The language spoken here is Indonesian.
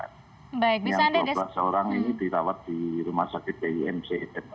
yang dua belas orang ini dirawat di rumah sakit pumc